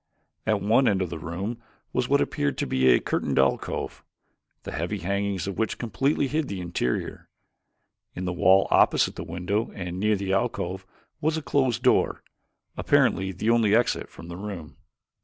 At one end of the room was what appeared to be a curtained alcove, the heavy hangings of which completely hid the interior. In the wall opposite the window and near the alcove was a closed door, apparently the only exit from the room.